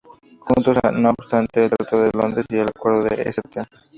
Juntos, no obstante, el Tratado de Londres y el Acuerdo de St.